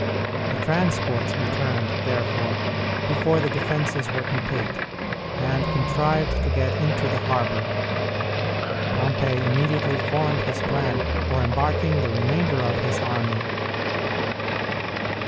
The transports returned, therefore, before the defences were complete, and contrived to get into the harbor. Pompey immediately formed his plan for embarking the remainder of his army.